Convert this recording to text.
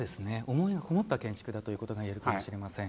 思いがこもった建築だということが言えるかもしれません。